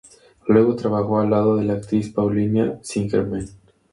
Luego trabajo al lado de la actriz Paulina Singerman.